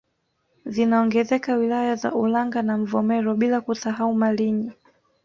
Zinaongezeka wilaya za Ulanga na Mvomero bila kusahau Malinyi